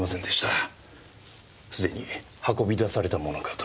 すでに運び出されたものかと。